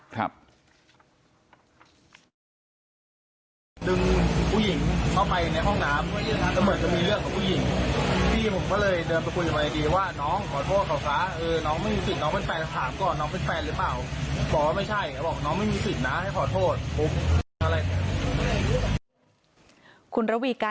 คุณระวีการแก้วจิตนะคะ